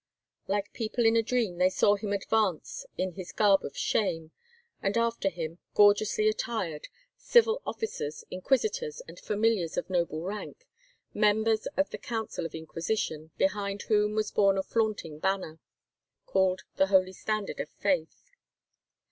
Like people in a dream, they saw him advance in his garb of shame, and after him, gorgeously attired, civil officers, inquisitors, and familiars of noble rank, members of the Council of Inquisition, behind whom was borne a flaunting banner, called the Holy Standard of the Faith.